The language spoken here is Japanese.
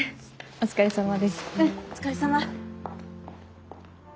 お疲れさま。